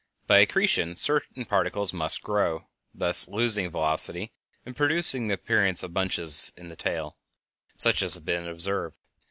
By accretion certain particles might grow, thus losing velocity and producing the appearance of bunches in the tail, such as have been observed.